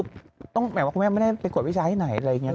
หมายว่าคุณแม่ไม่ได้ไปกวดวิชาที่ไหนอะไรอย่างนี้